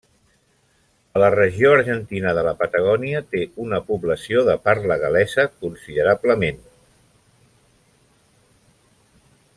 A la regió argentina de la Patagònia té una població de parla gal·lesa considerablement.